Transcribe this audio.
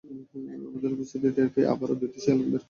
আমাদের উপস্থিতি টের পেয়ে আরো দুটো শিয়াল বের হয় এবং শকুন দল উড়ে যায়।